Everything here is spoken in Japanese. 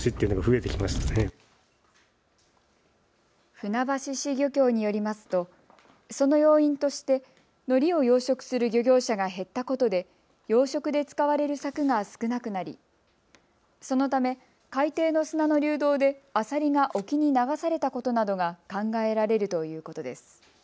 船橋市漁協によりますとその要因としてのりを養殖する漁業者が減ったことで養殖で使われる柵が少なくなりそのため海底の砂の流動でアサリが沖に流されたことなどが考えられるということです。